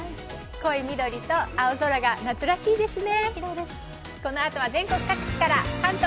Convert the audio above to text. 濃い緑と青空が夏らしいですね。